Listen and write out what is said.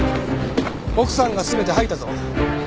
奥さんが全て吐いたぞ。